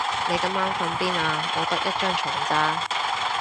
你今晚瞓邊啊？我得一張床咋